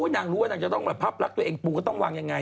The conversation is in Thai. นางรู้ว่านางจะต้องแบบภาพรักตัวเองปูก็ต้องวางยังไง